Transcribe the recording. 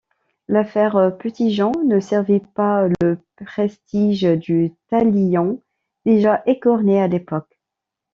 L'affaire Petitjean ne servit pas le prestige du Talion déjà écorné à l'époque.